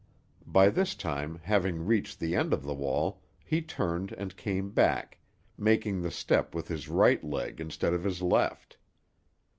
By this time, having reached the end of the wall, he turned and came back, making the step with his right leg instead of his left.